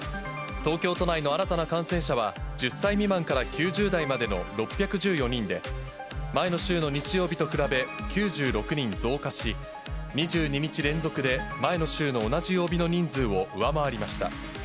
東京都内の新たな感染者は、１０歳未満から９０代までの６１４人で、前の週の日曜日と比べ、９６人増加し、２２日連続で前の週の同じ曜日の人数を上回りました。